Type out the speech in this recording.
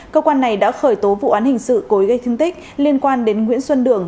cơ quan này đã khởi tố vụ án hình sự cố ý gây thương tích liên quan đến nguyễn xuân đường